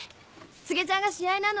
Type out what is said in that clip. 柘植ちゃんが試合なの。